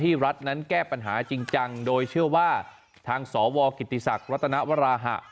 รัฐนั้นแก้ปัญหาจริงจังโดยเชื่อว่าทางสวกิติศักดิ์รัตนวราหะ